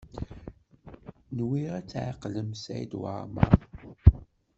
Nwiɣ ad tɛeqlem Saɛid Waɛmaṛ.